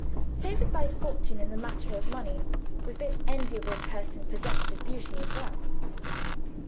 Favored by fortune in the matter of money, was this enviable person possessed of beauty as well?